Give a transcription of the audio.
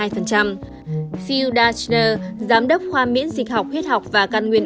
phil dachner giám đốc khoa miễn dịch học huyết học và căn nguyên